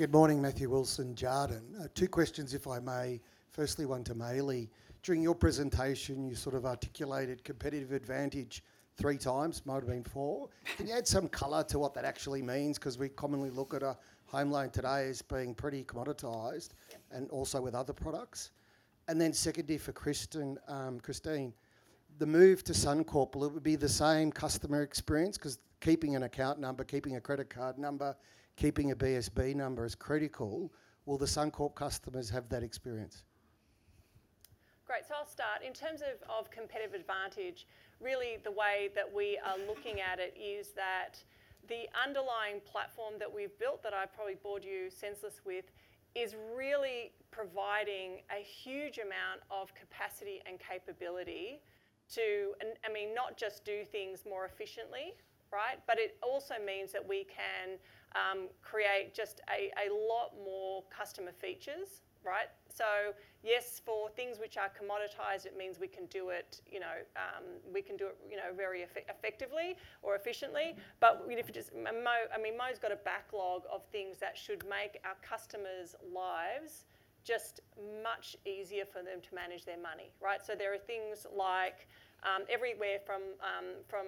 Good morning, Matthew Wilson, Jarden. Two questions, if I may. Firstly, one to Maile. During your presentation, you sort of articulated. Competitive advantage three times. Might have been four. Can you add some color to what that actually means? Because we commonly look at a home. Loan today as being pretty commoditised and also with other products. Secondly, for Christine, the move to Suncorp will be the same customer. Experience, because keeping an account number, keeping. A credit card number, keeping a BSB number is critical. Will the Suncorp customers have that experience? Great. I'll start in terms of competitive advantage. Really the way that we are looking at it is that the underlying platform that we've built that I probably bored you senseless with is really providing a huge amount of capacity and capability to not just do things more efficiently. Right. It also means that we can create just a lot more customer features. Right? Yes, for things which are commoditized, it means we can do it, we can do it very effectively or efficiently. Mo's got a backlog of things that should make our customers' lives just much easier for them to manage their money. Right. There are things like everywhere, from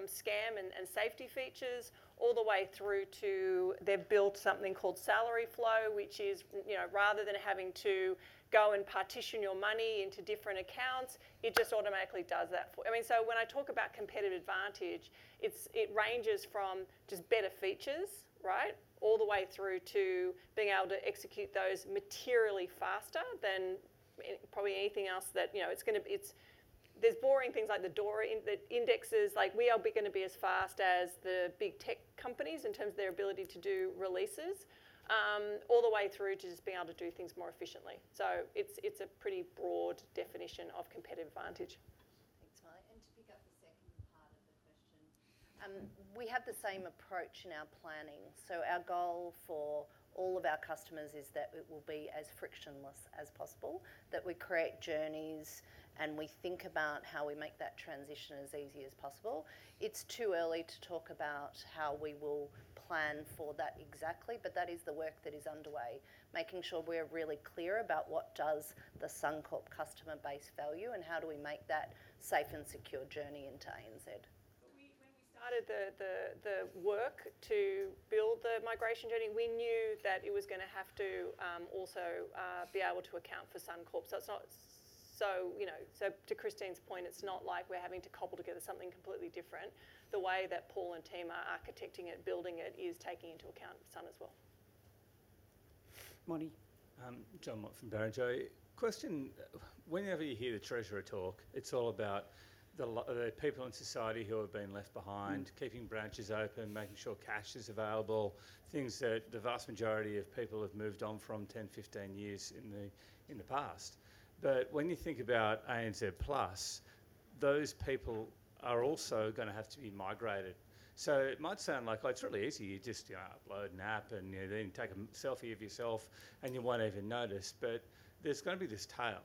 scam and safety features all the way through to they've built something called Salary Splitter, which is rather than having to go and partition your money into different accounts, it just automatically does that. I mean, when I talk about competitive advantage, it ranges from just better features all the way through to being able to execute those materially faster than probably anything else. There are boring things like the DORA metrics. We are going to be as fast as the big tech companies in terms of their ability to do releases all the way through to just being able to do things more efficiently. It is a pretty broad definition of competitive advantage. Thanks, Maile. To pick up the second part of the question, we have the same approach in our planning. Our goal for all of our customers is that it will be as frictionless as possible, that we create journeys and we think about how we make that transition as easy as possible. It's too early to talk about how we will plan for that. Exactly. That is the work that is underway, making sure we are really clear about what does the Suncorp customer base value and how do we make that safe and secure journey into ANZ. When we started the work to build the migration journey, we knew that it was going to have to also be able to account for Suncorp. It is not so, you know, to Christine's point, it is not like we are having to cobble together something completely different. The way that Paul and team are architecting it, building it, is taking into account Suncorp as well. Morning? Jon Mott from Barrenjoey. Whenever you hear the treasurer talk, it's all about the people in society who have been left behind, keeping branches open, making sure cash is available, things that the vast majority of people have moved on from 10, 15 years in the past. When you think about ANZ, those people are also going to have to be migrated. It might sound like it's really easy. You just upload an app and then take a selfie of yourself and you won't even notice, but there's going to be this tail.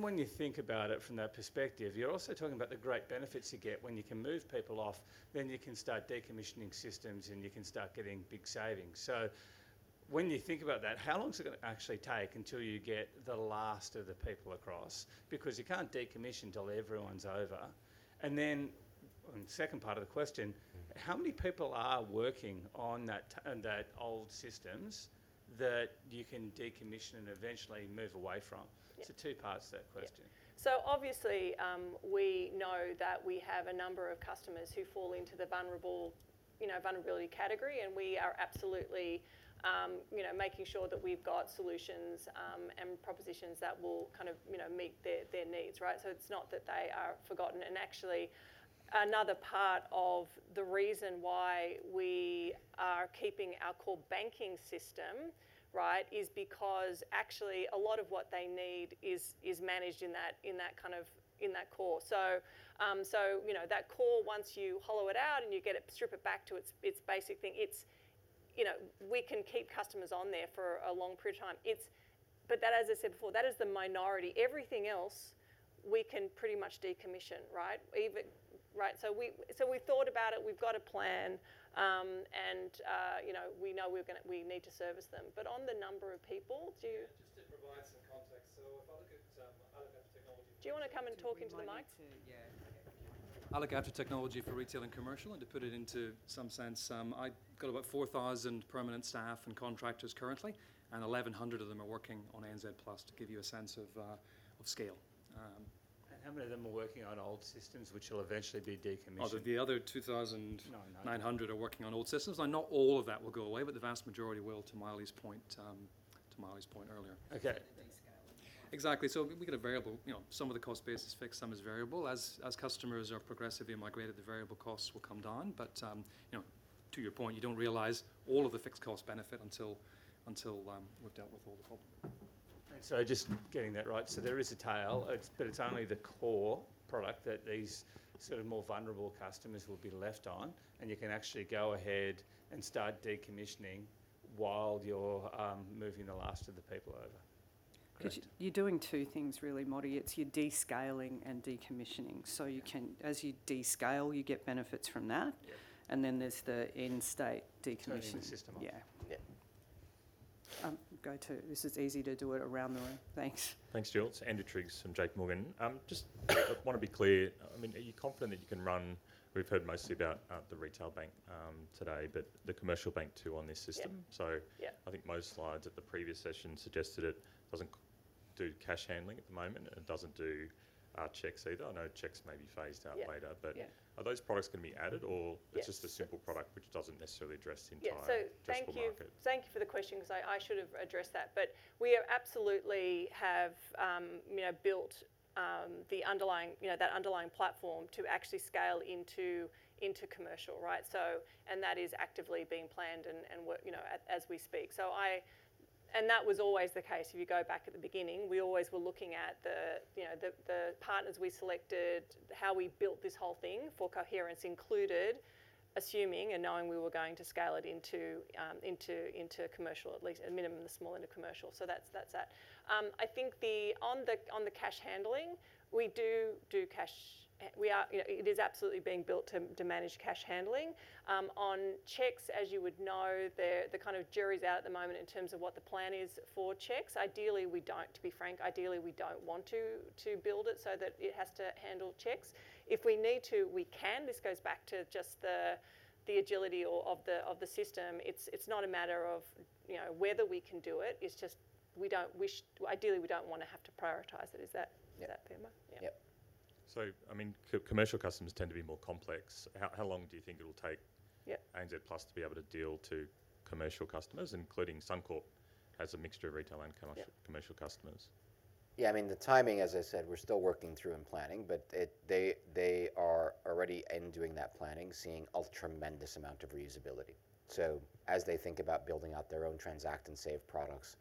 When you think about it from that perspective, you're also talking about the great benefits you get when you can move people off. You can start decommissioning systems and you can start getting big savings. When you think about that, how long is it going to actually take until you get the last of the people across? You can't decommission until everyone's over. Second part of the question, how many people are working on that and that old systems that you can decommission and eventually move away from? Two parts to that question. Obviously we know that we have a number of customers who fall into the vulnerability category and we are absolutely making sure that we've got solutions and propositions that will kind of meet their needs. Right. It is not that they are forgotten. Actually, another part of the reason why we are keeping our core banking system is because actually a lot of what they need is managed in that core. That core, once you hollow it out and you strip it back to its basic thing, we can keep customers on there for a long period of time. As I said before, that is the minority. Everything else, we can pretty much decommission. Right, right. We thought about it, we've got a plan and, you know, we know we're going to. We need to service them. On the number of people, do you. Just to provide some context. Do you want to come and talk into the mic? I look after technology for retail and commercial and to put it into some sense, I got about 4,000 permanent staff and contractors currently, and 1,100 of them are working on ANZ. To give you a sense of. How many of them are working on old systems which will eventually be decommissioned? The other 2,900 are working on old systems. Not all of that will go away, but the vast majority will to Maile's point earlier. Exactly. We get a variable. Some of the cost base is fixed, some is variable. As customers are progressively migrated, the variable costs will come down. To your point, you do not realize all of the fixed cost benefit until we have dealt with all the problems. Just getting that right, there is a tail, but it's only the core product that these sort of more vulnerable customers will be left on. You can actually go ahead and start decommissioning while you're moving the last. Of the people over. You're doing two things really Maile. It's you're descaling and decommissioning. You can, as you descale, you get benefits from that. Then there's the end state decommission system. Yeah. Go to. This is easy to do it around the room. Thanks. Thanks. It's Andrew Triggs from J.P. Morgan. Just want to be clear, I mean, are you confident that you can run. We've heard mostly about the retail bank today, but the commercial bank too on this system. I think most slides at the previous session suggested it doesn't do cash handling at the moment. It doesn't do cheques either. I know cheques may be phased out later, but are those products going to be added? Or it's just a simple product which doesn't necessarily address the entire market. Thank you for the question because I should have addressed that. We absolutely have built that underlying platform to actually scale into commercial and that is actively being planned as we speak. That was always the case. If you go back at the beginning, we always were looking at the partners we selected, how we built this whole thing for coherence included assuming and knowing we were going to scale it into commercial, at least at minimum the small into commercial. I think on the cash handling, we do cash. It is absolutely being built to manage cash handling. On cheques, as you would know, the kind of jury's out at the moment in terms of what the plan is for cheques. Ideally we don't, to be frank, ideally we don't want to build it so that it has to handle cheques. If we need to, we can. This goes back to just the agility of the system. It's not a matter of whether we can do it, it's just we don't wish, ideally we don't want to have to prioritize it. Is that fair, Maile? Yep. I mean, commercial customers tend to be more complex. How long do you think it will take ANZ to be able to deal to commercial customers, including Suncorp has a mixture of retail and commercial customers? Yeah, I mean, the timing, as I said, we're still working through and planning, but they are already in doing that planning, seeing a tremendous amount of reusability. As they think about building out their own Transact and Save products,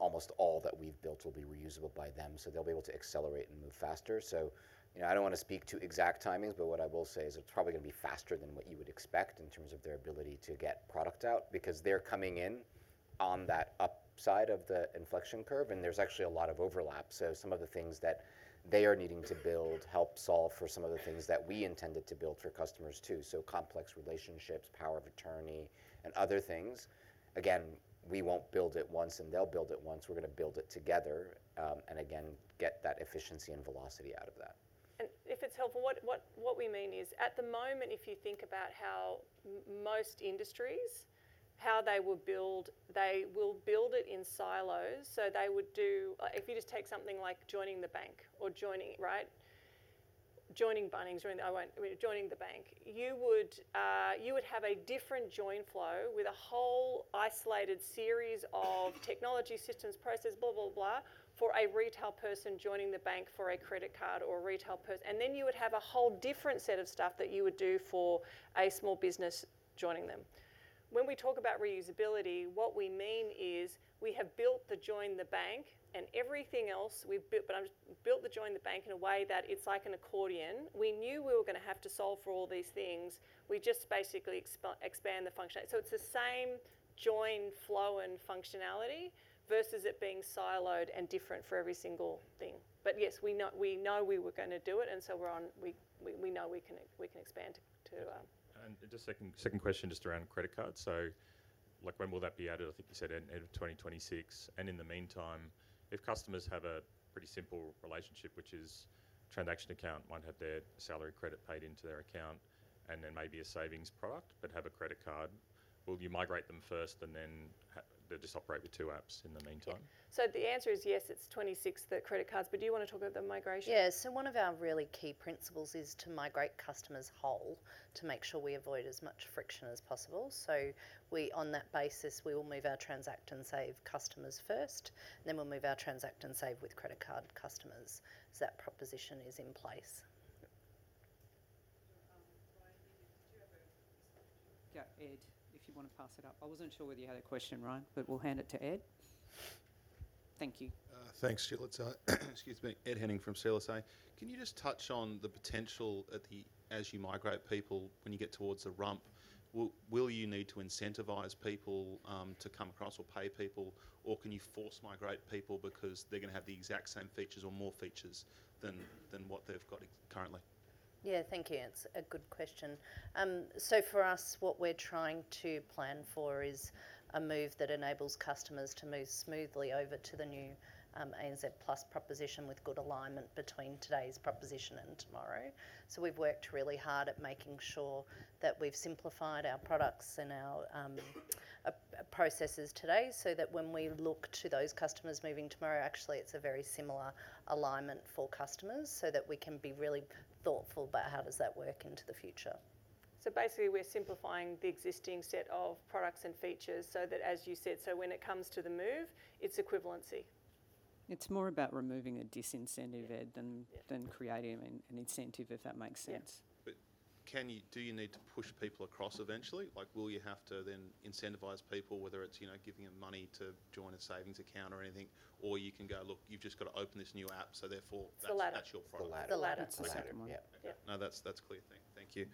almost all that we've built will be reusable by them. They'll be able to accelerate and move faster. You know, I don't want to speak to exact timings, but what I will say is it's probably going to be faster than what you would expect in terms of their ability to get product because they're coming in on that upside of the inflection curve and there's actually a lot of overlap. Some of the things that they are needing to build help solve for some of the things that we intended to build for customers too. Complex relationships, power of attorney and other things. Again, we won't build it once and they'll build it once. We're going to build it together and again get that efficiency and velocity out of that. If it's helpful, what we mean is at the moment, if you think about how most industries, how they will build, they will build it in silos. They would do, if you just take something like joining the bank or joining, right, joining Bunnings, joining the bank, you would have a different join flow with a whole isolated series of technology systems, process, blah, blah, blah for a retail person joining the bank for a credit card or retail. You would have a whole different set of stuff that you would do for a small business joining them. When we talk about reusability, what we mean is we have built the join the bank and everything else we've built, but I've built the join the bank in a way that it's like an accordion. We knew we were going to have to solve for all these things. We just basically expand the function so it's the same join flow and functionality versus it being siloed and different for every single thing. Yes, we know, we knew we were going to do it. We know we can expand to. Second question just around credit cards. Like when will that be added? I think you said 2026. In the meantime, if customers have a pretty simple relationship, which is transaction account, might have their salary, credit paid into their account and then maybe a savings product, but have a credit card, will you migrate them first and then they'll just operate with two apps in the meantime? The answer is yes, it's 26 the credit cards. Do you want to talk about the migration? Yeah. One of our really key principles is to migrate customers whole to make sure we avoid as much friction as possible. On that basis we will move our Transact and Save customers first, then we will move our Transact and Save with credit card customers. That proposition is in place. Yeah, Ed, if you want to pass it up. I wasn't sure whether you had a question, Ryan, but we'll hand it to Ed. Thank you. Thanks. Excuse me, Ed Henning from CLSA. Can you just touch on the potential as you migrate people? When you get towards the rump, will you need to incentivize people to come across or pay people, or can you force migrate people because they're going to have the exact same features or more features than what they've got currently? Yeah, thank you. It's a good question. For us, what we're trying to plan for is a move that enables customers to move smoothly over to the new ANZ proposition with good alignment between today's proposition and tomorrow. We've worked really hard at making sure that we've simplified our products and our processes today so that when we look to those customers moving tomorrow, actually it's a very similar alignment for customers so that we can be really thoughtful about how does that work into the future. Basically we're simplifying the existing set of products and features so that, as you said, when it comes to the movement, its equivalency. It's more about. Removing a disincentive, Ed, than creating an incentive, if that makes sense. Can you. Do you need to push people across eventually? Like will you have to then incentivize people, whether it's giving them money to join a savings account or anything, or you can go, look, you've just got to open this new app. So therefore that's your problem. The latter. That's clear, thank you.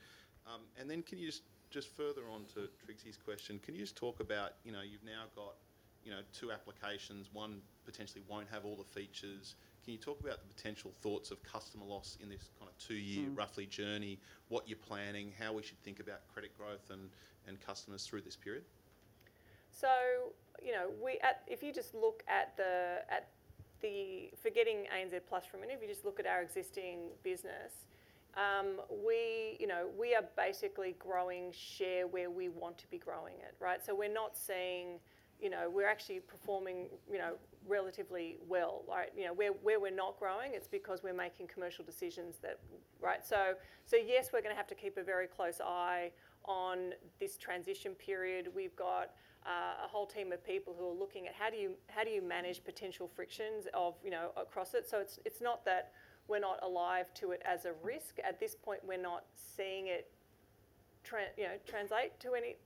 Can you just, further on to trans, can you just talk about you've now got two applications, one potentially won't have all the features. Can you talk about the potential thoughts of customer loss in this kind of two year roughly journey, what you're planning, how we should think about credit growth and customers through this period. If you just look at forgetting ANZ Plus for a minute, if you just look at our existing business, we are basically growing share where we want to be growing it. Right. So we're not seeing, you know, we're actually performing, you know, relatively well. You know, where we're not growing, it's because we're making commercial decisions that. Right. Yes, we're going to have to keep a very close eye on this transition period. We've got a whole team of people who are looking at how do you, how do you manage potential frictions of, you know, across it. It's not that we're not alive to it as a risk. At this point we're not seeing it translate to any.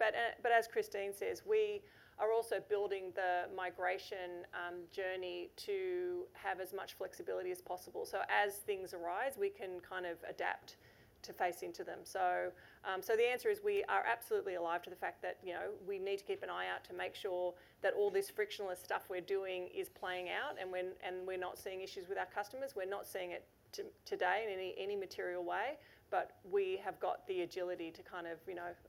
As Christine says, we are also building the migration journey to have as much flexibility as possible so as things arise, we can kind of adapt to face into them. The answer is we are absolutely alive to the fact that we need to keep an eye out to make sure that all this frictionless stuff we're doing is playing out. We're not seeing issues with our customers. We're not seeing it today in any material way, but we have got the agility to kind of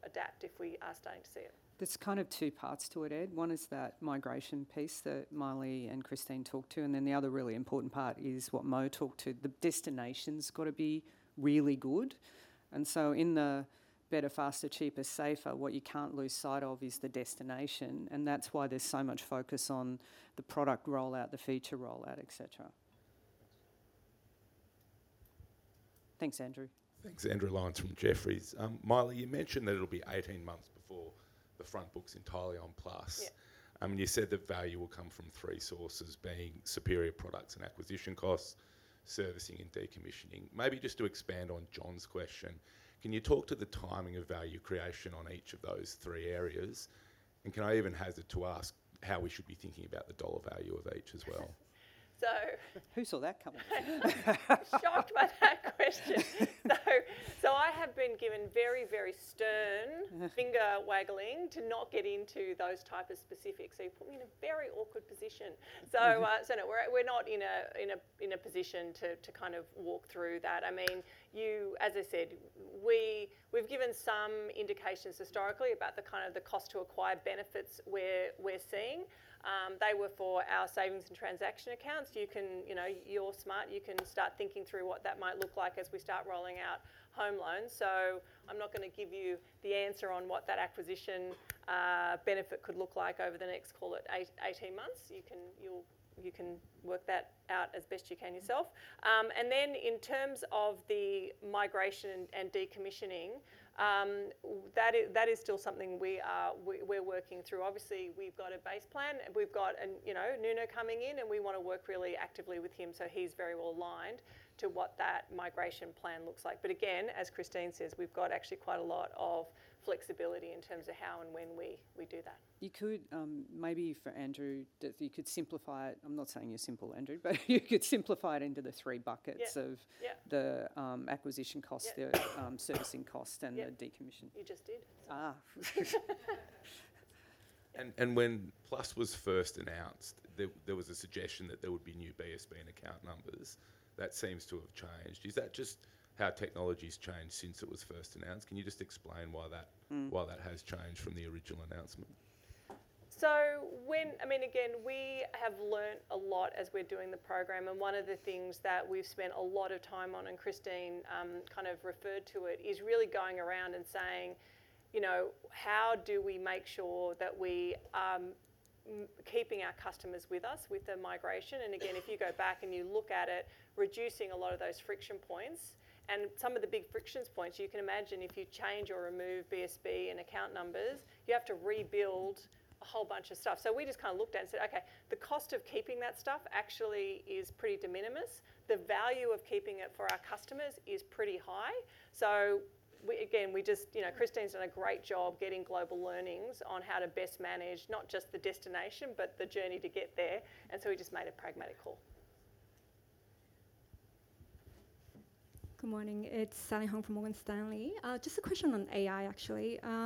adapt if we are starting to see it. Are kind of two parts to it, Ed. One is that migration piece that Maile and Christine talked to. The other really important part is what Mo talked to. The destination's gotta be really good. In the better, faster, cheaper, safer, what you can't lose sight of is the destination. That's why there's so much focus on the product rollout, the feature rollout, et cetera. Thanks, Andrew. Thanks, Andrew. Lyons from Jefferies, Maile, you mentioned that it'll be 18 months before the front book's entirely on Plus. You said that value will come from three sources, being superior products and acquisition costs, servicing and decommissioning. Maybe just to expand on Jon's question, can you talk to the timing of value creation on each of those three areas? Can I even hazard to ask how we should be thinking about the dollar value of each as well? Who saw that coming? Shocked by that question. I have been given very, very stern finger waggling to not get into those type of specifics. You put me in a very awkward position. We are not in a position to kind of walk through that. I mean, you know, as I said, we have given some indications historically about the kind of the cost to acquire benefits. We are seeing they were for our savings and transaction accounts. You are smart. You can start thinking through what that might look like as we start rolling out home loans. I am not going to give you the answer on what that acquisition benefit could look like over the next, call it 18 months. You can work that out as best you can yourself. In terms of the migration and decommission commissioning, that is still something we are working through. Obviously we've got a base plan, we've got Nuno coming in and we want to work really actively with him. He is very well aligned to what that migration plan looks like. As Christine says, we've got actually quite a lot of flexibility in terms of how and when we do that. You could maybe for Andrew, you could simplify it. I'm not saying you're simple, Andrew, but you could simplify it into the three buckets of the acquisition cost, the servicing cost and the decommission. You just did. When Plus was first announced, there was a suggestion that there would be new BSB and account numbers. That seems to have changed. Is that just how technology's changed since it was first announced? Can you just explain why that has changed from the original announcement? When, I mean, again, we have learned a lot as we're doing the program and one of the things that we've spent a lot of time on and Christine kind of referred to it is really going around and saying, how do we make sure that we keeping our customers with us with the migration? Again, if you go back and you look at it reducing a lot of those friction points and some of the big friction points you can imagine if you change or remove BSB and account numbers, you have to rebuild a whole bunch of stuff. We just kind of looked at and said, okay, the cost of keeping that stuff actually is pretty de minimis. The value of keeping it for our customers is pretty high. We just, you know, Christine's done a great job getting global learnings on how to best manage not just the destination, but the journey to get there. We just made a pragmatic call. Good morning, it's Sally Hong from Morgan Stanley. Just a question on AI, actually, are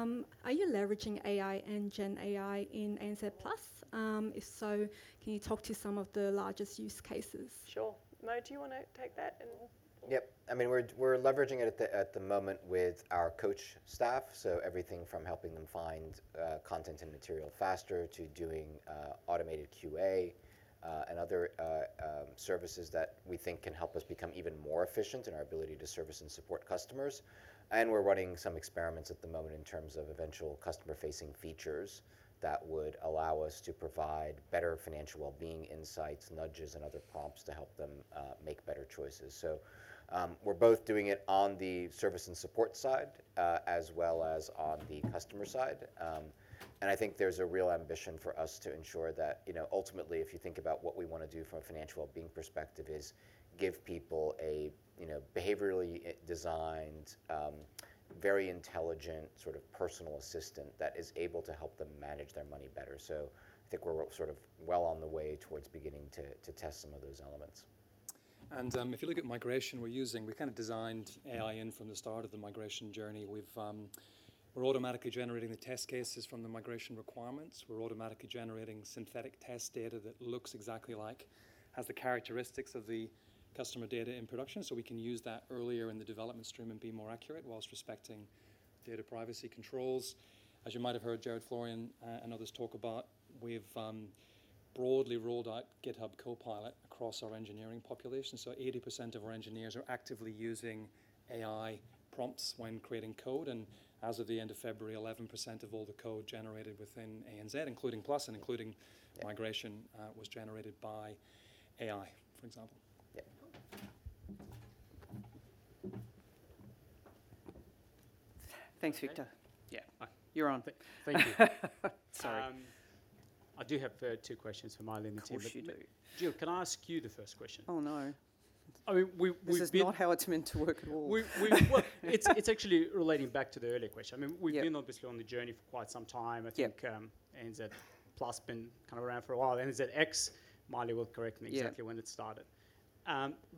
you leveraging AI and Gen AI in ANZ? If so, can you talk to some of the largest use cases? Sure. Mo, do you want to take that? Yep. I mean, we're leveraging it at the moment with our Coach staff. Everything from helping them find content and material faster to doing automated QA and other services that we think can help us become even more efficient in our ability to service and support customers. We're running some experiments at the moment in terms of eventual customer facing features that would allow us to provide better financial well being, insights, nudges and other prompts to help them make better choices. We're both doing it on the service and support side as well as on the customer side. I think there's a real ambition for us to ensure that ultimately, if you think about what we want to do from a financial well being perspective, is give people a behaviorally designed, very intelligent sort of personal assistant that is able to help them manage their money better. I think we're sort of well on the way towards beginning to test some of those elements. If you look at migration, we are using, we kind of designed AI in from the start of the migration journey. We are automatically generating the test cases from the migration requirements. We are automatically generating synthetic test data that looks exactly like, has the characteristics of the customer data in production. We can use that earlier in the development stream and be more accurate whilst respecting data privacy controls. As you might have heard Gerard Florian and others talk about, we have broadly rolled out GitHub Copilot across our engineering population. Eighty percent of our engineers are actively using AI prompts when creating code. As of the end of February, 11% of all the code generated within ANZ, including Plus and including migration, was generated by AI, for example. Thanks, Victor. Yeah, you're on. Thank you. Sorry, I do have two questions for Maile. What you do, Jill, can I ask you the first question? Oh, no, this is not how it's meant to work at all. It's actually relating back to the earlier question. I mean, we've been obviously on the journey for quite some time. I think ANZ Plus been kind of around for a while. And Maile will correct me exactly when it started.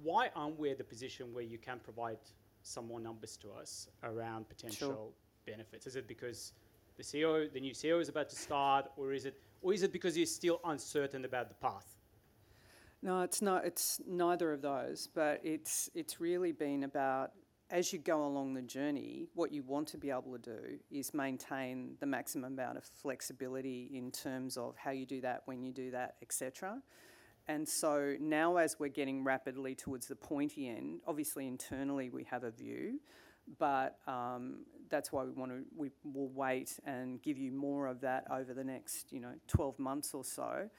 Why aren't we at the position where you can provide some more numbers to us around potential benefits? Is it because the CEO, the new CEO is about to start or is it because you're still uncertain about the path? No, it's neither of those. It's really been about as you go along the journey, what you want to be able to do is maintain the maximum amount of flexibility in terms of how you do that, when you do that, etc. Now as we're getting rapidly towards the pointy end, obviously internally we have a view, but that's why we want to, we will wait and give you more of that over the next, you know, 12 months or so.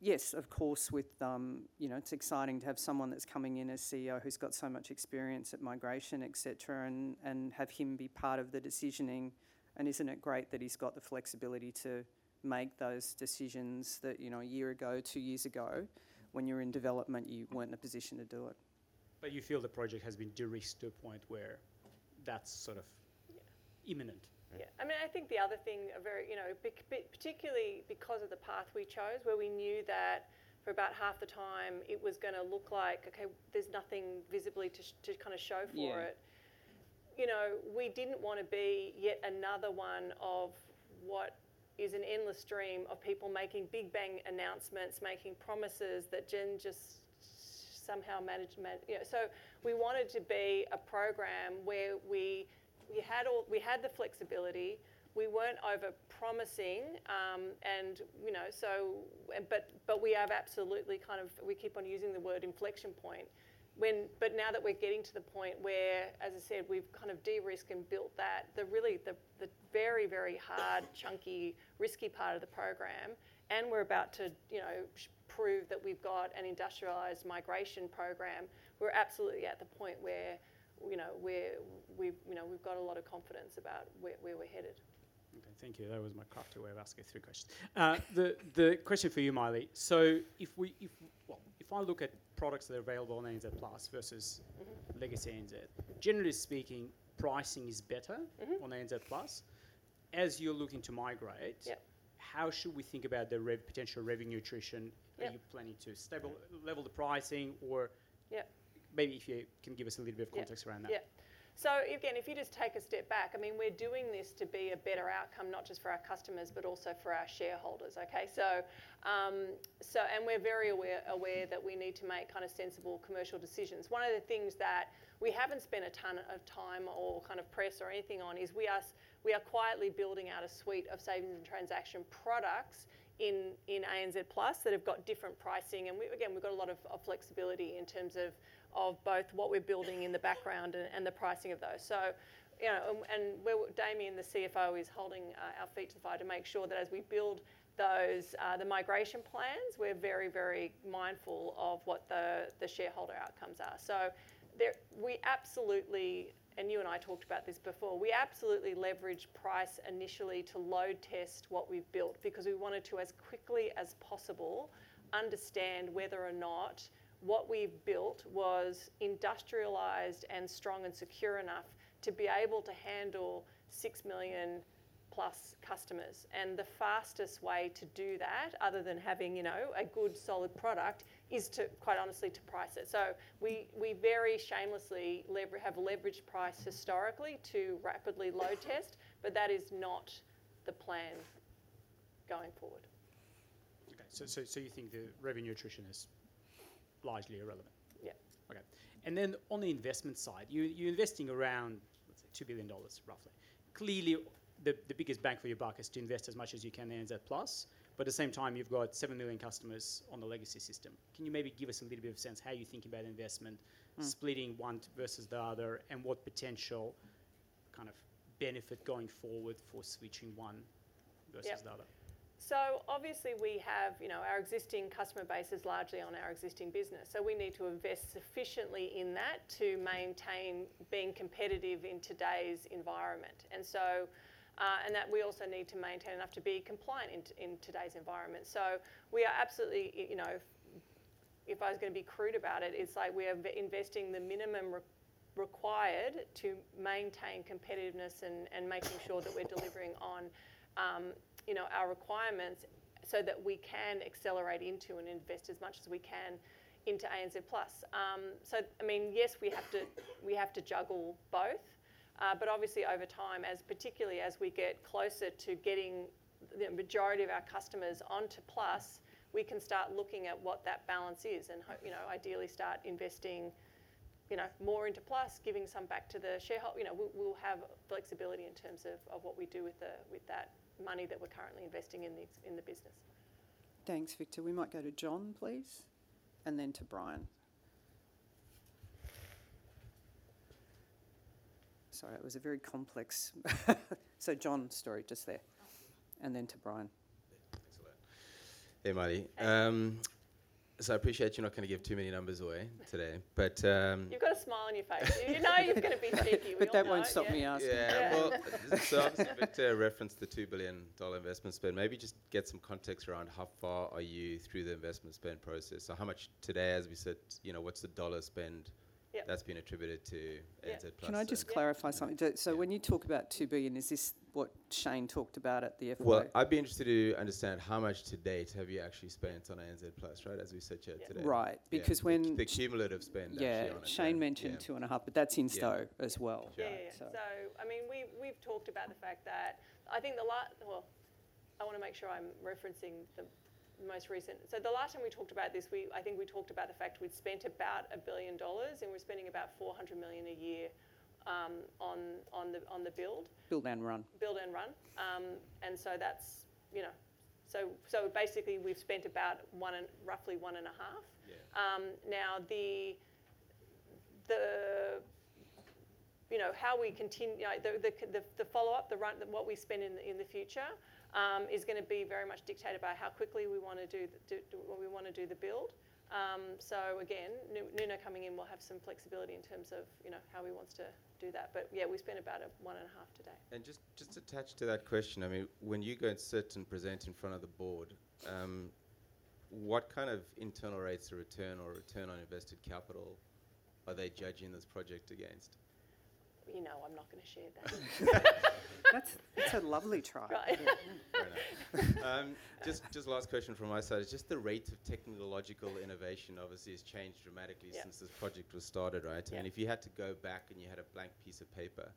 Yes, of course with, you know, you know, it's exciting to have someone that's coming in as CEO who's got so much experience at migration, et cetera, and have him be part of the decisioning. Isn't it great that he's got the flexibility to make those decisions that, you know, a year ago, two years ago, when you were in development, you weren't in the position to do it. You feel the project has been de-risked to a point where that's sort of imminent. Yeah, I mean, I think the other thing, particularly because of the path we chose where we knew that for about half the time it was going to look like, okay, there's nothing visibly to kind of show for it, you know, we didn't want to be yet another one of what is an endless dream of people making big bang announcements, making promises that just somehow managed. We wanted to be a program where we had the flexibility. We weren't over prepared, promising and you know, but we have absolutely kind of, we keep on using the word inflection point when, but now that we're getting to the point where, as I said, we've kind of de risk and built that the really the very, very hard, chunky, risky part of the program and we're about to, you know, prove that we've got an industrialized migration program, we're absolutely at the point where, you know, we've got a lot of confidence about where we're headed. Okay, thank you. That was my crafty way of asking three questions. The question for you, Maile. If I look at products that are available on ANZ Plus versus legacy ANZ, generally speaking, pricing is better on ANZ Plus. As you're looking to migrate, how should we think about the potential revenue attrition? Are you planning to stable level the pricing or maybe if you can give us a little bit of context around that. If you just take a step back, I mean, we're doing this to be a better outcome, not just for our customers, but also for our shareholders. We're very aware that we need to make kind of sensible commercial decisions. One of the things that we haven't spent a ton of time or kind of press or anything on is we are quietly building out a suite of savings and transaction products in ANZ Plus that have got different pricing. Again, we've got a lot of flexibility in terms of both what we're building in the background and the pricing of those. You know, and Farhan the CFO is holding our feet to the fire to make sure that as we build those, the migration plans, we're very, very mindful of what the shareholder outcomes are. We absolutely, and you and I talked about this before, we absolutely leverage price initially to load test what we have built because we wanted to as quickly as possible understand whether or not what we built was industrialized and strong and secure enough to be able to handle 6 million Plus customers. The fastest way to do that, other than having a good solid product, is to quite honestly to price it. We very shamelessly have leveraged price historically to rapidly load test, but that is not the plan going forward. You think the revenue attrition is largely irrelevant. Yeah. Okay. On the investment side, you're investing around 2 billion dollars roughly. Clearly the biggest bang for your buck is to invest as much as you can in that Plus. At the same time, you've got 7 million customers on the legacy system. Can you maybe give us a little bit of sense how you think about investment splitting one versus the other and what potential kind of benefit going forward for switching one versus the other? Obviously we have, you know, our existing customer base is largely on our existing business. We need to invest sufficiently in that to maintain being competitive in today's environment. We also need to maintain enough to be compliant in today's environment. We are absolutely, you know, if I was going to be crude about it, it's like we are investing the minimum required to maintain competitiveness and making sure that we're delivering on our requirements so that we can accelerate into and invest as much as we can into ANZ. I mean, yes, we have to juggle both, but obviously over time, particularly as we get closer to getting the majority of our customers onto Plus, we can start looking at what that balance is and ideally start investing more into Plus giving some back to the shareholder. We'll have flexibility in terms of what we do with that money that we're currently investing in the business. Thanks, Victor. We might go to Jon, please, and then to Brian. Sorry, it was very complex. So Jon story just there. And then to Brian. Hey, Marty, I appreciate you're not going to give too many numbers away. Today, you have a smile on your face. You know, you are going to be sneaky. That will not stop me asking. Victor referenced the $2 billion investment spend. Maybe just get some context around how far are you through the investment spend process. You know, what's the dollar spend that's been attributed to ANZ Plus? Can I just clarify something? When you talk about $2 billion, is this what Shayne talked about at the FY? I'd be interested to understand how much to date have you actually spent on ANZ Plus. Right. As we said, yeah, today. Right. Because when the cumulative spend. Yeah, Shayne mentioned two and a half, but that's in store as well. I mean we've talked about the fact that I think the last. I want to make sure I'm referencing the most recent. The last time we talked about this, I think we talked about the fact we'd spent about 1 billion dollars and we're spending about 400 million a year on the build. Build and run. Build and run. That's, you know, so basically we've spent about one and roughly one and a half. Now, you know, how we continue the follow up, what we spend in the future is going to be very much dictated by how quickly we want to do the build. Nuno coming in will have some flexibility in terms of how he wants to do that. Yeah, we spent about one and a half today. Just attached to that question, I mean when you go and sit and present in front of the board, what kind of internal rates of return or return on invested capital are they judging as against? You know, I'm not going to share that. That's a lovely try. Just last question from my side is just the rate of technological innovation obviously has changed dramatically since this project was started. Right. If you had to go back and you had a blank piece of paper,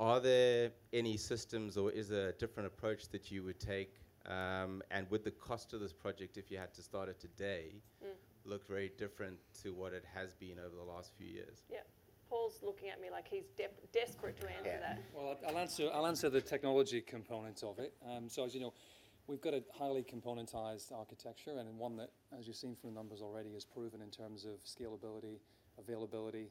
are there any systems or is there a different approach that you would take and with the cost of this project, if you had to start today, look very different to what it has been over the last few years? Yep. Paul's looking at me like he's desperate to answer that. I'll answer the technology component of it. As you know, we've got a highly componentized architecture and one that, as you've seen from the numbers already, is proven in terms of scalability and availability.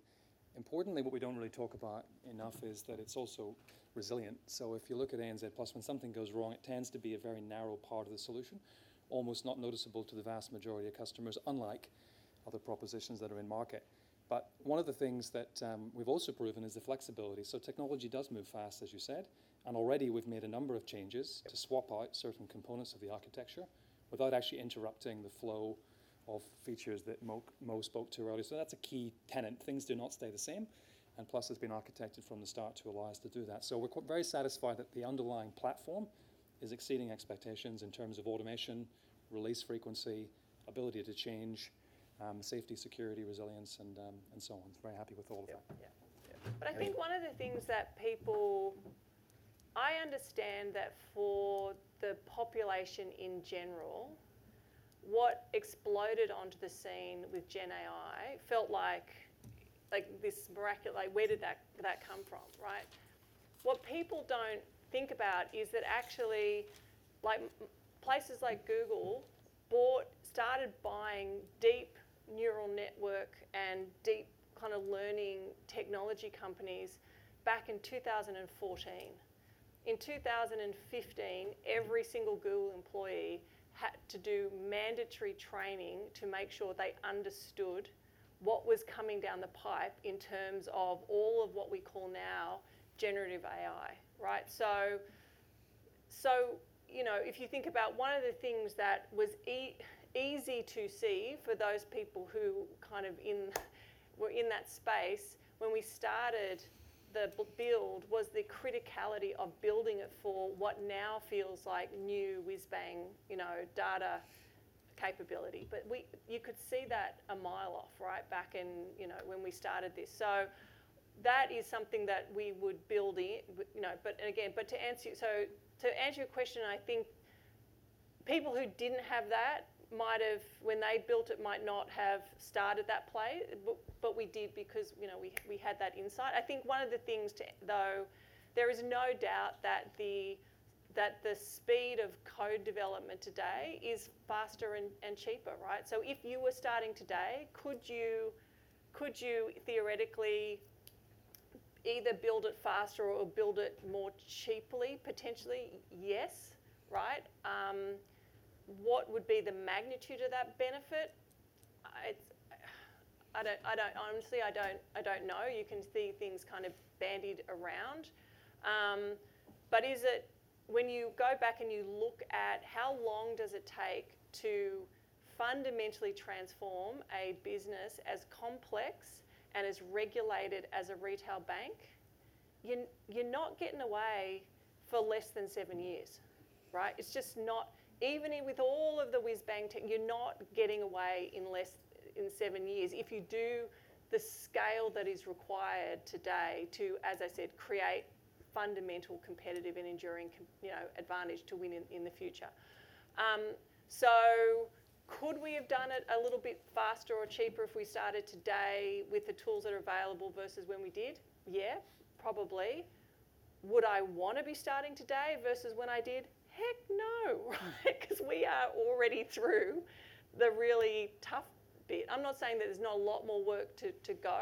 Importantly, what we do not really talk about enough is that it's also resilient. If you look at ANZ, when something goes wrong, it tends to be a very narrow part of the solution, almost not noticeable to the vast majority of customers, unlike other propositions that are in market. One of the things that we've also proven is the flexibility. Technology does move fast, as you said, and already we've made a number of changes to swap out certain components of the architecture without actually interrupting the flow of features that Mo spoke to earlier. That's a key tenet. Things do not stay the same. Plus it's been architected from the start to allow us to do that. We are very satisfied that the underlying platform is exceeding expectations in terms of automation, release frequency, ability to change, safety, security, resilience and so on. Very happy with all of that. I think one of the things that people, I understand that for the population in general, what exploded onto the scene with Gen AI felt like this miraculous. Where did that come from? Right. What people do not think about is that actually places like Google started buying deep neural network and deep kind of learning technology companies back in 2014. In 2015, every single Google employee had to do mandatory training to make sure they understood what was coming down the pipe in terms of all of what we call now generative AI. Right. If you think about one of the things that was easy to see for those people who kind of were in that space when we started the build was the criticality of building it for what now feels like new whiz bang, you know, data capability. We, you could see that a mile off right back in, you know, when we started this. That is something that we would build in, you know. Again, to answer your question, I think people who did not have that might have, when they built it, might not have started that play, but we did because, you know, we had that insight. I think one of the things though, there is no doubt that the speed of code development today is faster and cheaper. Right. If you were starting today, could you theoretically either build it faster or build it more cheaply? Potentially, yes. Right. What would be the magnitude of that benefit? Honestly, I don't know. You can see things coming kind of bandied around. Is it when you go back and you look at how long does it take to fundamentally transform a business as complex and as regulated as a retail bank, you're not getting away for less than seven years. Right. It's just not even with all of the whiz bang, you're not getting away in less than seven years if you do the scale that is required today to, as I said, create fundamental competitive and enduring advantage to win in the future. Could we have done it a little bit faster or cheaper if we started today with the tools that are available versus when we did? Yeah, probably. Would I want to be starting today versus when I did? Heck no, because we are already through the really tough bit. I'm not saying that there's not a lot more work to go,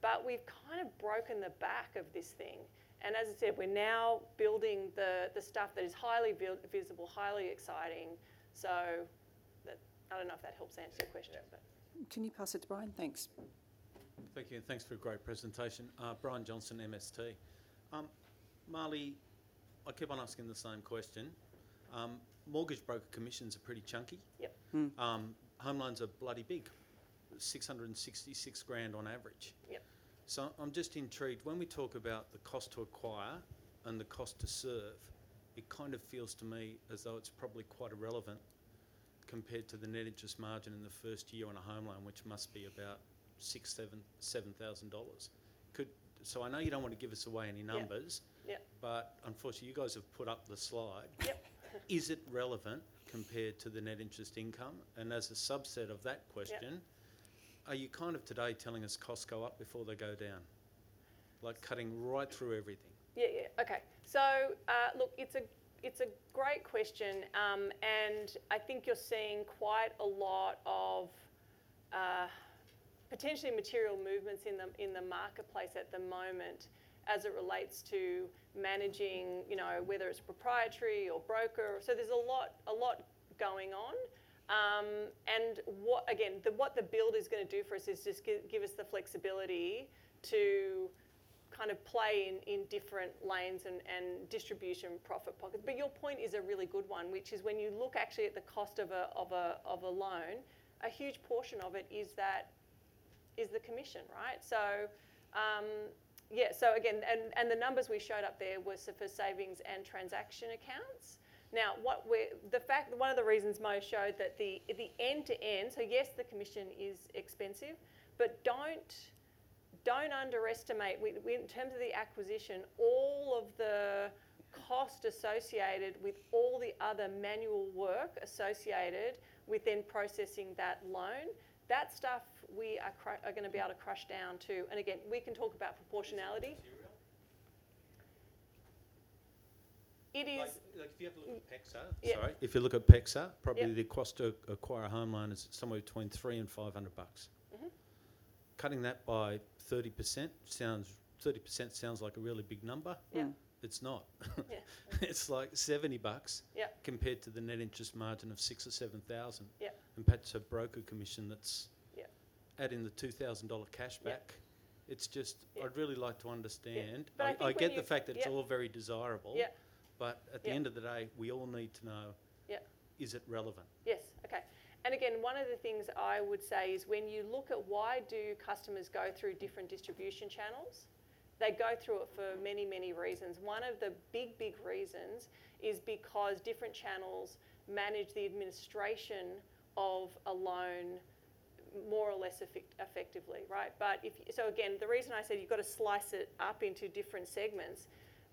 but we've kind of broken the back of this thing and, as I said, we're now building the stuff that is highly visible, highly exciting. I don't know if that helps answer your question. Can you pass it to Brian? Thanks. Thank you and thanks for a great presentation. Brian Johnson, MST Financial. I keep on asking the same question. Mortgage broker commissions are pretty chunky. Home loans are bloody big. 666,000 on average. I'm just intrigued when we talk about the cost to acquire and the cost to serve. It kind of feels to me as though it's probably quite irrelevant compared to the net interest margin in the first year on a home loan, which must be about 6,000-7,000 dollars. I know you don't want to give us away any numbers, but unfortunately you guys have put up the slide. Is it relevant compared to the net interest income? As a subset of that question, are you kind of today telling us costs go up before they go down, like cutting right through everything? Yeah. Okay, so look, it's a great question and I think you're seeing quite a lot of potentially material movements in the marketplace at the moment as it relates to managing, whether it's proprietary or broker. There is a lot going on. Again, what the build is going to do for us is just give us the flexibility to kind of play in different lanes and distribution profit pockets. Your point is a really good one, which is when you look actually at the cost of a loan, a huge portion of it is the commission. Right. Again, the numbers we showed up there were for savings and transaction accounts. Now one of the reasons Mo showed that the end to end. Yes, the commission is expensive, but do not underestimate in terms of the acquisition all of the cost associated with all the other manual work associated with processing that loan. That stuff we are going to be able to crush down too. Again, we can talk about proportionality. It is. If you look at PEXA, probably the cost to acquire a home loan is somewhere between 300-500 bucks. Cutting that by 30%. 30% sounds like a really big number. It's not. It's like 70 bucks compared to the net interest margin of 6,000 or 7,000. And that's a broker commission. That's adding the 2,000 dollar cash back. It's just, I'd really like to understand, I get the fact that it's all very desirable, but at the end of the day we all need to know, is it relevant? Yes. Okay. One of the things I would say is when you look at why do customers go through different distribution channels? They go through it for many, many reasons. One of the big, big reasons is because different channels manage the administration of a loan more or less effectively. Right. The reason I said you've got to slice it up into different segments.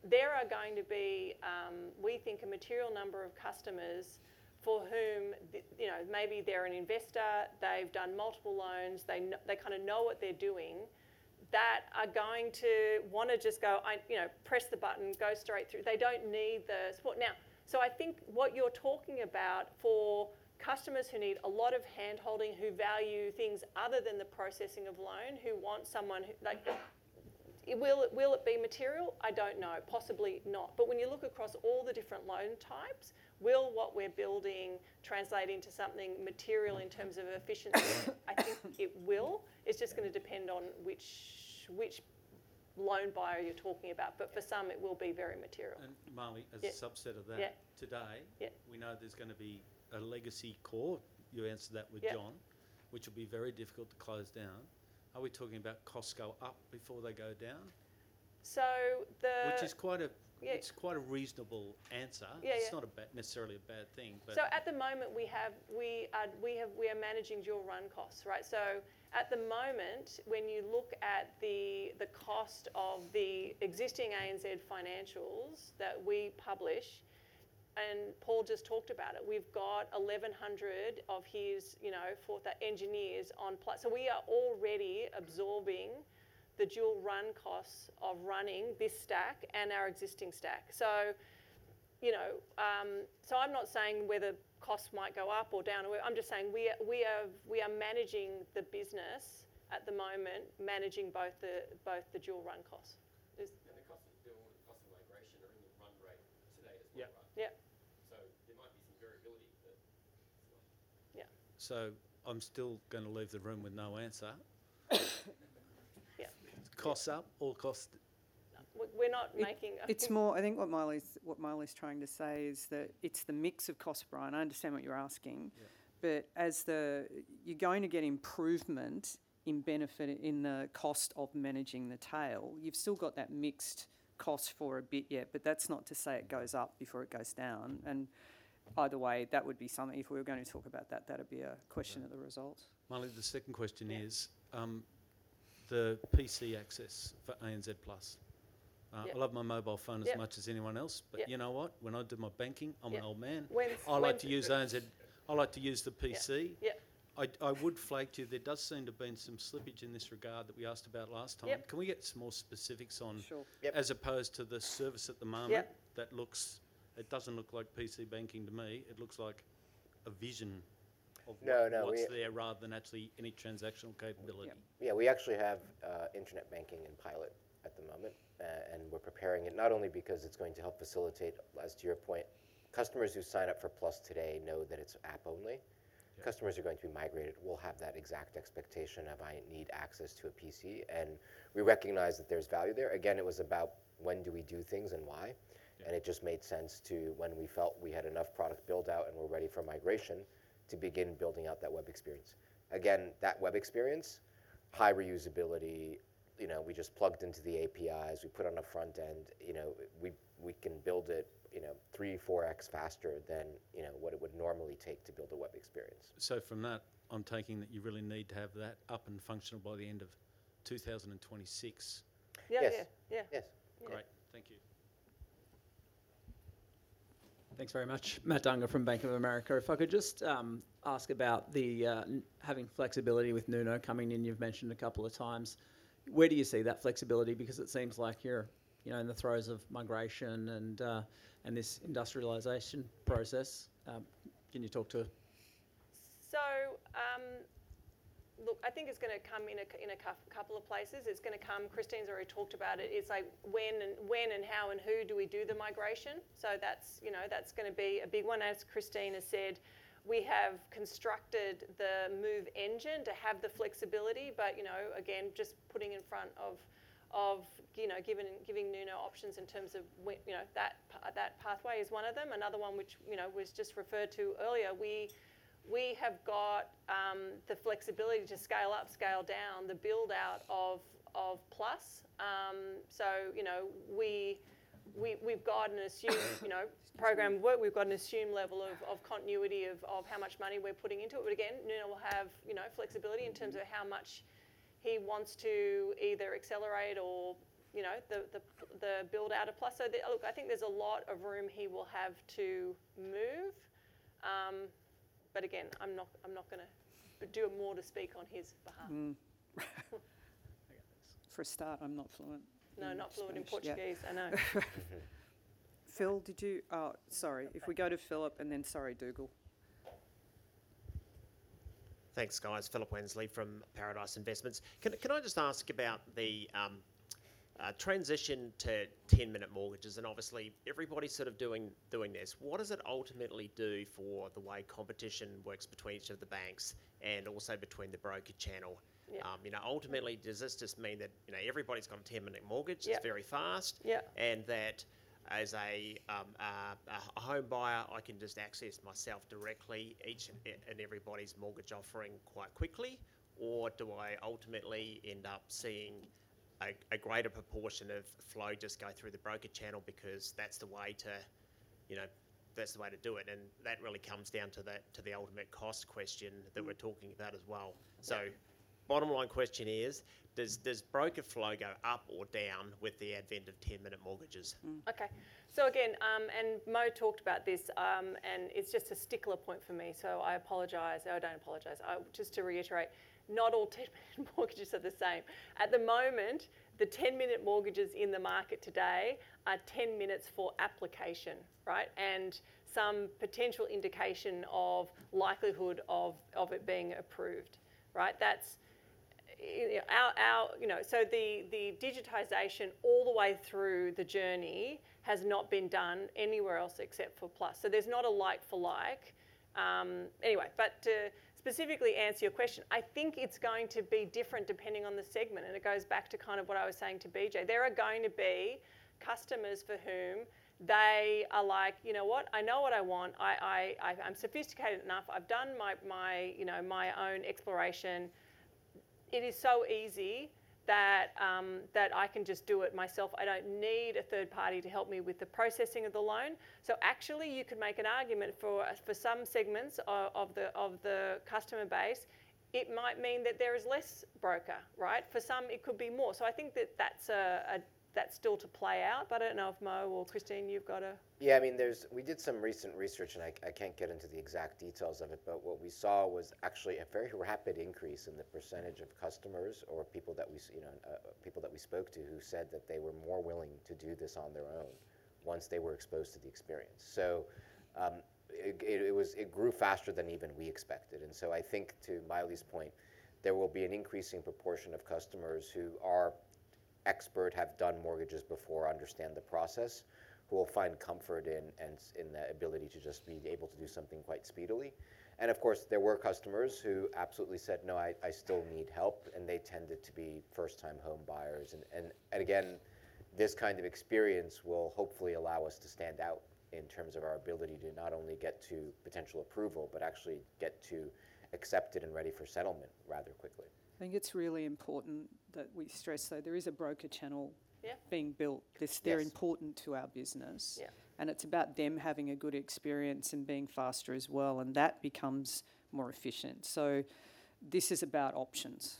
There are going to be, we think, a material number of customers for whom, you know, maybe they're an investor, they've done multiple loans, they kind of know what they're doing that are going to want to just go press the button, go straight through. They don't need the support now. I think what you're talking about for customers who need a lot of hand holding, who value things other than the processing of loan, who want someone, will it be material? I don't know, possibly not. When you look across all the different loan types, will what we're building translate into something material in terms of efficiency? I think it will. Will. It's just going to depend on which loan buyer you're talking about. For some it will be very material. Maile, as a subset of that today we know there's going to be a legacy core, you answered that with Jon, which will be very difficult to close down. Are we talking about costs go up before they go down? Which is quite a reasonable answer. It's not necessarily a bad thing. At the moment we are managing dual run costs, right? At the moment when you look at the cost of the existing ANZ financials that we publish and Paul just talked about it, we have 1,100 of his fourth engineers on, so we are already absorbing the dual run costs of running this stack and our existing stack. I am not saying whether costs might go up or down, I am just saying we are managing the business at the moment managing both the dual run. Costs and,. The cost of build cost. Migration are in the run rate today as well. There might be some variability. I'm still going to leave the room with no answer. Costs up, cost we're not making. It's more. I think what Maile's trying to say is that it's the mix of cost. Brian, I understand what you're asking, but as the, you're going to get improvement in benefit in the cost of managing the tail. You've still got that mixed cost for a bit yet. That's not to say it goes up before it goes down. Either way that would be something if we were going to talk about that, that would be a question of the results. Maile, the second question is the PC access for ANZ Plus. I love my mobile phone as much as anyone else. You know what? When I did my banking, I'm an old man. I like to use ANZ, I like to use the PC. I would flag to you, there does seem to have been some slippage in this regard that we asked about last time. Can we get some more specifics on as opposed to the service at the moment? That looks, it doesn't look like PC banking to me. It looks like a vision there rather than actually any transactional capability. Yeah, we actually have Internet banking in pilot at the moment and we're preparing it not only because it's going to help facilitate. As to your point, customers who sign up for Plus today know that it's app only. Customers are going to be migrated. We'll have that exact expectation of I need access to a PC and we recognize that there's value there. Again, it was about when do we do things and why? It just made sense to when we felt we had enough product build out and were ready for migration to begin building out that web experience again. That web experience, high reusability. We just plugged into the APIs, we put on a front end. We can build it 3.4x faster than what it would normally take to build a web experience. From that I'm taking that you really need to have that up and functional by the end of 2026. Yes, great. Thank you. Thanks very much. Matt Dunger from Bank of America. If I could just ask about having flexibility with Nuno coming in, you've mentioned a couple of times, where do you see that flexibility? Because it seems like you're in the throes of migration and this industrialization process. Can you talk to. I think it's going to come in a couple of places. It's going to come. Christine's already talked about it. It's like when and how and who do we do the migration? That's, you know, that's going to be a big one. As Christine has said, we have constructed the move engine to have the flexibility but, you know, again, just putting in front of, you know, giving Nuno options in terms of, you know, that pathway is one of them. Another one which was just referred to earlier, we have got the flexibility to scale up, scale down the build out of Plus. So we've got an assumed program. We've got an assumed level of continuity of how much money we're putting into it. But again, Nuno will have flexibility in terms of how much he wants to either accelerate or the build out of. Plus, look, I think there's a lot of room he will have to move. Again, I'm not going to do more to speak on his behalf. For a start, I'm not fluent. No, not fluent in Portuguese. I know. Phil, did you. Sorry. If we go to Philip and then. Sorry, Dougal. Thanks, guys. Philip Wensley from Paradice Investments. Can I just ask about the transition to 10 minute mortgages and obviously everybody's sort of doing this. What does it ultimately do for the way competition works between each of the banks and also between the broker channel? Ultimately, does this just mean that everybody's got a 10 minute mortgage, it's very fast. That as a home buyer I can just access myself directly each and every in everybody's mortgage offering quite quickly, or do I ultimately end up seeing a greater proportion of flow just go through the broker channel? Because that's the way to, you know, that's the way to do it. That really comes down to the ultimate cost question that we're talking about as well. Bottom line question is, does broker flow go up or down with the advent of 10 minute mortgages? Okay, again, and Mo talked about this and it's just a stick point for me. I apologize. I don't apologize. Just to reiterate, not all 10 minute mortgages are the same at the moment. The 10 minute mortgages in the market today are 10 minutes for application. Right. And some potential indication of likelihood of it being approved. Right. That's our, you know, so the digitization all the way through the journey has not been done anywhere else except for Plus. There's not a like for like anyway. To specifically answer your question, I think it's going to be different depending on the segment. It goes back to kind of what I was saying to BJ. There are going to be customers for whom they are like, you know what? I know what I want. I'm sophisticated enough, I've done my own exploration. It is so easy that I can just do it myself. I do not need a third party to help me with the processing of the loan. Actually, you could make an argument for some segments of the customer base, it might mean that there is less broker. Right. For some it could be more. I think that is still to play out, but I do not know if Mo or Christine, you have got a. Yeah. I mean we did some recent research and I can't get into the exact details of it but what we saw was actually a very rapid increase in the percentage of customers or people that we, you know, people that we spoke to who said that they were more willing to do this on their own once they were exposed to the experience. It grew faster than even we expected. I think to Maile's point, there will be an increasing proportion of customers who are expert, have done mortgages before, understand the process, who will find comfort in the ability to just be able to do something quite speedily. Of course there were customers who absolutely said no, I still need help. They tended to be first time home buyers. This kind of experience will hopefully allow us to stand out in terms of our ability to not only get to potential approval but actually get to accepted and ready for settlement rather quickly. I think it's really important that we stress though there is a broker channel being built. They're important to our business and it's about them having a good experience and being faster as well and that becomes more efficient. This is about options.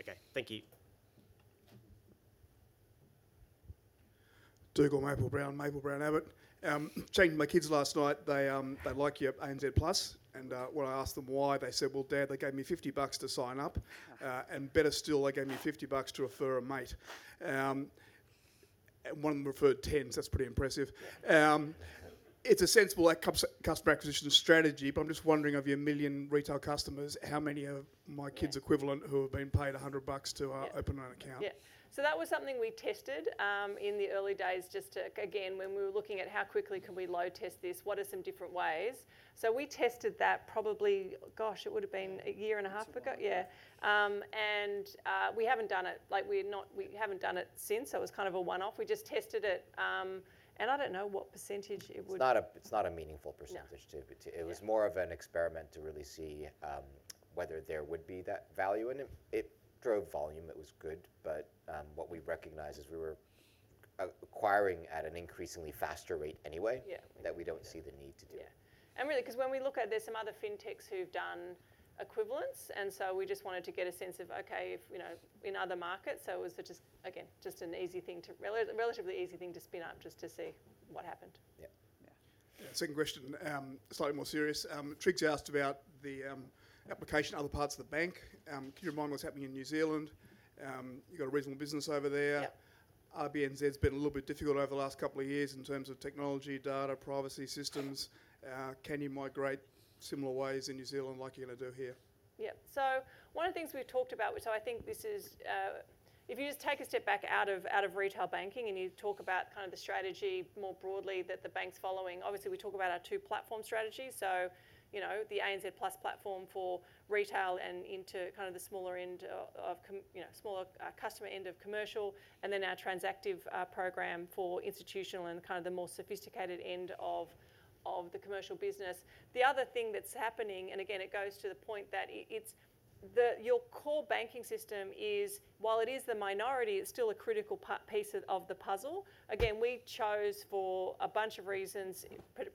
Okay, thank you, Dougal. Maple-Brown Abbott checking my kids last night. They like you at ANZ Plus. When I asked them why, they said, well, Dad, they gave me 50 bucks to sign up and better still. They gave me 50 bucks to refer a mate. One of them referred 10. That's pretty impressive. It's a sensible customer acquisition strategy. I'm just wondering of your million retail customers, how many of my kids equivalent who have been paid $100. To open an account? That was something we tested in the early days. Just again when we were looking at how quickly can we load test this, what are some different ways? We tested that probably, gosh, it would have been a year and a half ago. Yeah, and we haven't done it, we haven't done it since. It was kind of a one off. We just tested it and I don't know what percentage it would. It's not a meaningful percentage. It was more of an experiment to really see whether there would be that value. It drove volume, it was good. What we recognized is we were acquiring at an increasingly faster rate anyway that we do not see the need to do. Really because when we look at there's some other fintechs who've done equivalence and so we just wanted to get a sense of okay in other markets so it was just, again, just an easy thing to. Relatively easy thing to spin up just to see what happened. Yeah. Second question, slightly more serious. Triggs asked about the application other parts of the bank. Can you remind what's happening in New Zealand? You've got a reasonable business over there. RBNZ has been a little bit difficult. Over the last couple of years in. Terms of technology, data privacy systems. Can you migrate similar ways in New Zealand, like you're going to do here? Yeah. One of the things we've talked about, which I think this, is if you just take a step back out of retail banking and you talk about kind of the strategy more broadly that the bank's following, obviously we talk about our two platform strategies. You know, the ANZ Plus platform for retail and into kind of the. Small. Smaller customer end of commercial and then our Transactive program for institutional and kind of the more sophisticated end of the commercial business. The other thing that's happening, and again, it goes to the point that your core banking system is, while it is the minority, it's still a critical piece of the puzzle. Again, we chose for a bunch of reasons,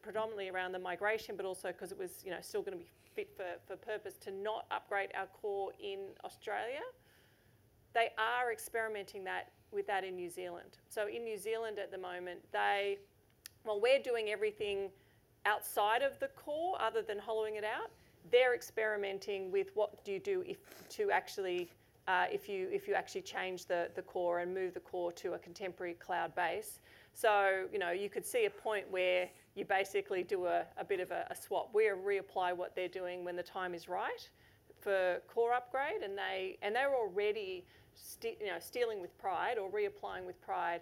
predominantly around the migration, but also because it was still going to be fit for purpose to not upgrade our core in Australia, they are experimenting with that in New Zealand. In New Zealand at the moment, while we're doing everything outside of the core, other than hollowing it out, they're experimenting with what do you do. If. You actually change the core and move the core to a contemporary cloud base? You could see a point where you basically do a bit of a swap. We reapply what they're doing when the time is right for core upgrade. They're already stealing with pride or reapplying with pride,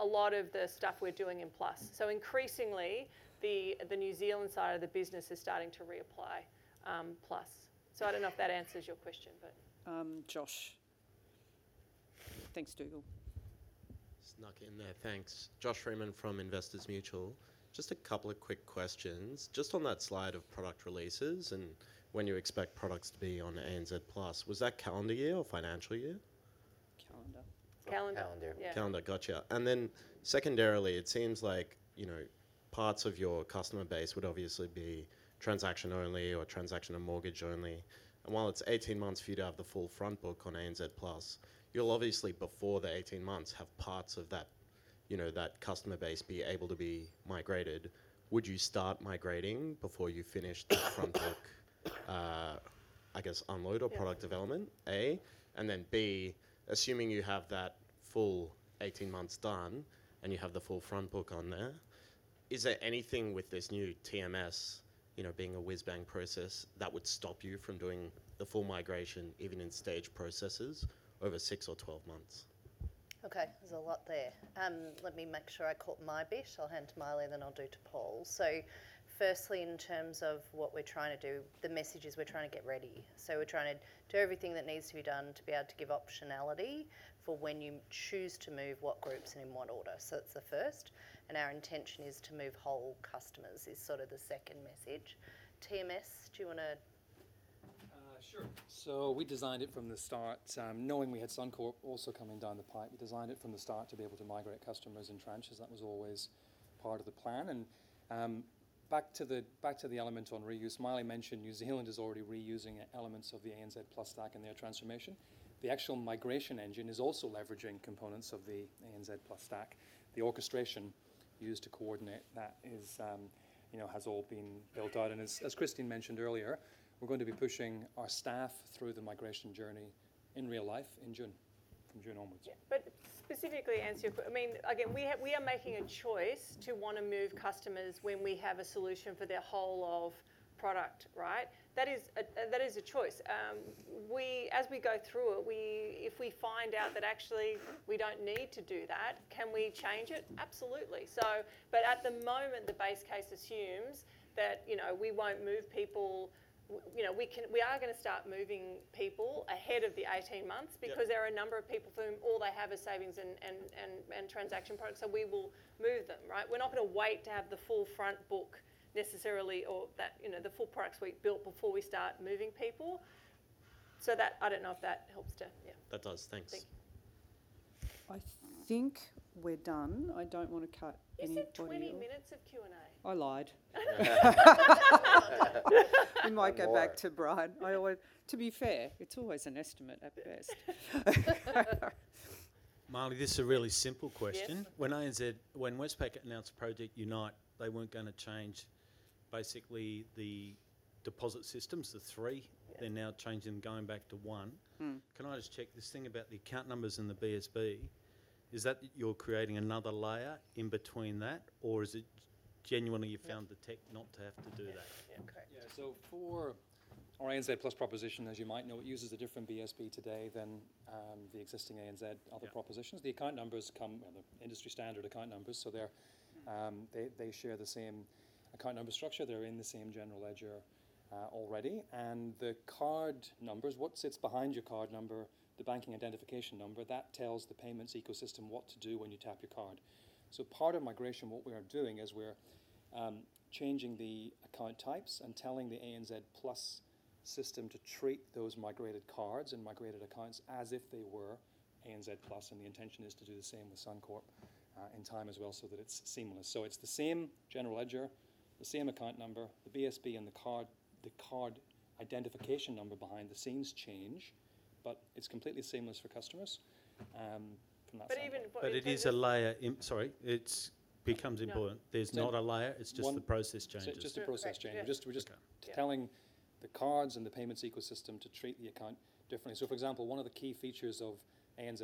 a lot of the stuff we're doing in Plus. Increasingly the New Zealand side of the business is starting to reapply Plus. I don't know if that answers your question, but Josh. Thanks, Dougal. Snuck in there. Thanks, Josh Freiman from Investors Mutual. Just a couple of quick questions, just on that slide of product releases and when you expect products to be on ANZ Plus, was that calendar year or financial year? Calendar, Calendar. Calendar. Gotcha. Then secondarily, it seems like parts of your customer base would obviously be transaction only or transaction and mortgage only. While it is 18 months for you to have the full front book on ANZ, you will obviously, before the 18 months, have parts of that, you know, that customer base be able to be migrated. Would you start migrating before you finish the front book, I guess unload or product development A, and then B, assuming you have that full 18 months done and you have the full front book on there, is there anything with this new TMS, you know, being a whiz bang process that would stop from doing the full migration even in stage processes over six or 12 months? Okay, there's a lot there. Let me make sure I caught my bit. I'll hand to Maile, then I'll do to Paul. Firstly, in terms of what we're trying to do, the message is we're trying to get ready, so we're trying to do everything that needs to be done to be able to give optionality for when you choose to move what groups and in what order. That's the first, and our intention is to move whole group customers is sort of the second message. T&S, do you want to. Sure. We designed it from the start knowing we had Suncorp also coming down the pipe. We designed it from the start to be able to migrate customers in tranches. That was always part of the plan. Back to the element on reuse, Maile mentioned New Zealand is already reusing elements of the ANZ Plus stack in their transformation. The actual migration engine is also leveraging components of the ANZ stack. The orchestration used to coordinate that has all been built out. As Christine mentioned earlier, we're going to be pushing our staff through the migration journey in real life in June, from June onwards. Specifically again we are making a choice to want to move customers when we have a solution for their whole of product. Right. That is a choice. As we go through it, if we find out that actually we do not need to do that, can we change it? Absolutely. At the moment the base case assumes that we will not move people. We are going to start moving people ahead of the 18 months because there are a number of people for whom all they have is savings and transaction products. We will move them. We are not going to wait to have the full front book necessarily or the full products we built before we start moving people. I do not know if that helps to. That does. Thanks. I think we're done. I don't want to cut. Is it 20 minutes of Q&A? I lied. We might go back to Brian to be fair. It's always an estimate at best. Maile, this is a really simple question. When ANZ. When Westpac announced Project Unite they weren't going to change basically the deposit systems. The three they're now changing them going back to one. Can I just check this thing about the account numbers and the BSB, is that you're creating another layer in between that or is it genuinely you found the tech not to have to do that? For our ANZ proposition, as you might know, it uses a different BSB today than the existing ANZ other propositions. The account numbers come industry standard account numbers, so they share the same account number structure. They are in the same general ledger already. The card numbers, what sits behind your card number, the Bank Identification Number, that tells the payments ecosystem what to do when you tap your card. Part of migration, what we are doing is we are changing the account types and telling the ANZ Plus system to treat those migrated cards and migrated accounts as if they were ANZ. The intention is to do the same with Suncorp in time as well so that it is seamless. It's the same general ledger, the same account number, the BSB and the card, the card identification number behind the scenes change, but it's completely seamless for customers. It is a layer. Sorry, it becomes important. There's not a layer, it's just the process change. Just a process change. We are just telling the cards and the payments ecosystem to treat the account differently. For example, one of the key features of ANZ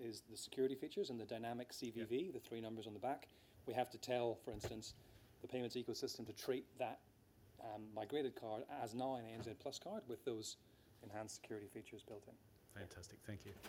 is the security features and the dynamic CVV, the three numbers on the back. We have to tell, for instance, the payments ecosystem to treat that migrated card as now an ANZ Plus card with those enhanced security features built in. Fantastic. Thank you.